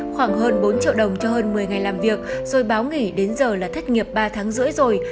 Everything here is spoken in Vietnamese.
khoảng hơn bốn triệu đồng cho hơn một mươi ngày làm việc rồi báo nghỉ đến giờ là thất nghiệp ba tháng rưỡi rồi